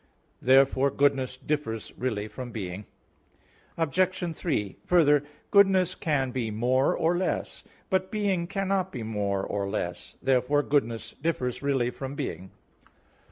_ Therefore goodness differs really from being. Obj. 3: Further, goodness can be more or less. But being cannot be more or less. Therefore goodness differs really from being.